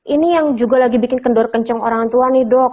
ini yang juga lagi bikin kendor kenceng orang tua nih dok